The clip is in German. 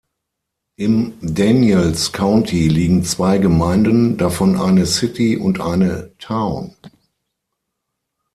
Im Daniels County liegen zwei Gemeinden, davon eine "City" und eine "Town".